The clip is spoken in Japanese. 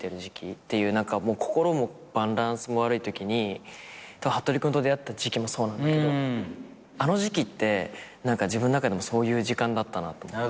っていう何か心もバランスも悪いときにはっとり君と出会った時期もそうなんだけどあの時期って自分の中でもそういう時間だったなと思って。